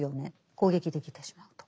攻撃できてしまうと。